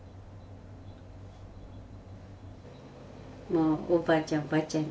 もうおばあちゃん